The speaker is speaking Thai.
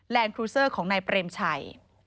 ครูเซอร์ของนายเปรมชัย